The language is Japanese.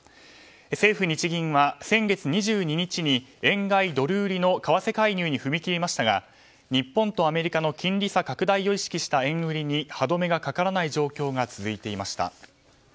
政府・日銀は、先月２２日に円買いドル売りの為替介入に踏み切りましたが日本とアメリカの金利差拡大を意識した円売りに歯止めがかからない状況が続いていました。